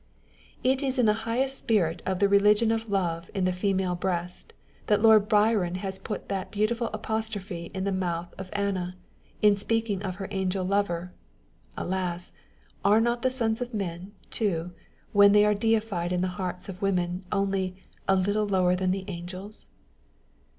It is in the highest spirit of the religion of love in the female breast, that Lord Byron has put that beautiful apostrophe in the mouth of Anah, in speaking of her angel lover (alas ! are not the sons of men, too, when they are deified in the hearts of women, only " a little lower than the angels?